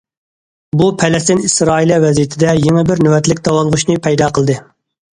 بۇ پەلەستىن ئىسرائىلىيە ۋەزىيىتىدە يېڭى بىر نۆۋەتلىك داۋالغۇشنى پەيدا قىلدى.